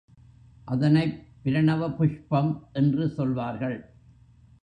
அதனைப் பிரணவ புஷ்பம் என்று சொல்வார்கள்.